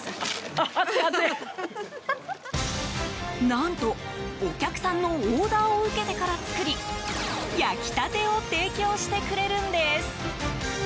何と、お客さんのオーダーを受けてから作り焼きたてを提供してくれるんです。